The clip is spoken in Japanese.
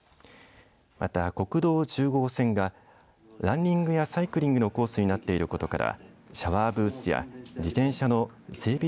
また国道１０号線がランニングやサイクリングのコースになっていることからシャワーブースや自転車の整備